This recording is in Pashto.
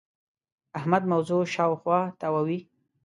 احمد موضوع شااوخوا تاووې.